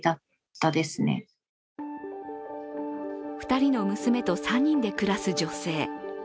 ２人の娘と３人で暮らす女性。